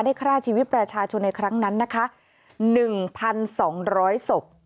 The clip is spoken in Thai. ฆ่าชีวิตประชาชนในครั้งนั้นนะคะ๑๒๐๐ศพ